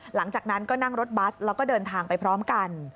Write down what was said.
หลังจากนั้นก็นั่งรถบัสแล้วก็เดินทางไปพร้อมกัน